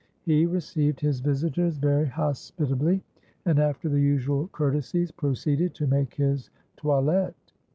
He received his visitors very hospitably, and after the usual courtesies proceeded to make his toilette.